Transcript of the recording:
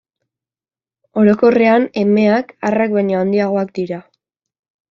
Orokorrean, emeak arrak baino handiagoak dira.